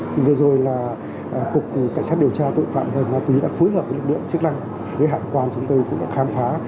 thì vừa rồi là cục cảnh sát điều tra tội phạm về ma túy đã phối hợp với lực lượng chức năng với hải quan chúng tôi cũng đã khám phá